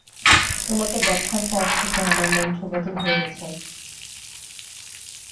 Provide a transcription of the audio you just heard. তোমাকে দেখার পর থেকে আমার মন্ত্র বদল হয়ে গেছে।